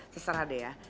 seserah deh ya